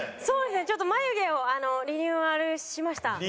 そうですねちょっと眉毛をリニューアルしました。